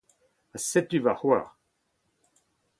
Ha setu ma c'hoar.